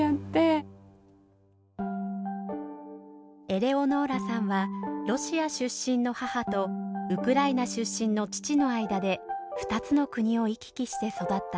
エレオノーラさんはロシア出身の母とウクライナ出身の父の間で２つの国を行き来して育った。